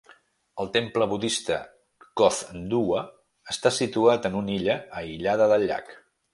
El temple budista Kothduwa està situat en una illa aïllada del llac.